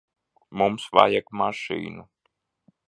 Mums vajag mašīnu.